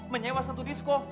menyewa satu disco